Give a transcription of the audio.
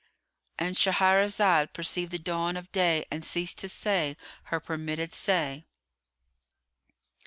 ——And Shahrazad perceived the dawn of day and ceased to say her permitted say.